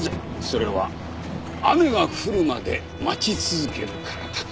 それは雨が降るまで待ち続けるからだ。